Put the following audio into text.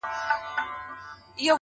جنابِ عشقه ما کفن له ځان سره راوړی,